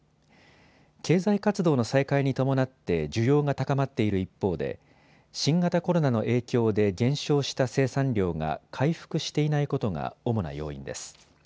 経済活動の再開に伴って需要が高まっている一方で新型コロナの影響で減少した生産量が、回復していないことが主な要因です。